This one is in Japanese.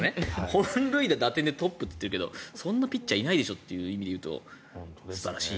本塁打、打点でトップってそんなピッチャーいないでしょという意味で言うと素晴らしい。